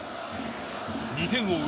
２点を追う